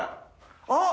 あっ！